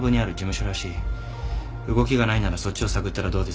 動きがないならそっちを探ったらどうです？